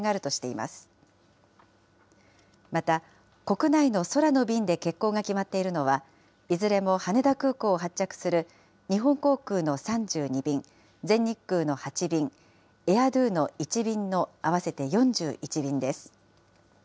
また、国内の空の便で欠航が決まっているのは、いずれも羽田空港を発着する日本航空の３２便、全日空の８便、エア・ドゥの１便の合わせて４１便です。